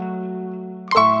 gara gara temen lu